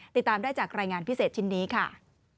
ติดตามได้จากรายงานพิเศษชิ้นนี้ค่ะ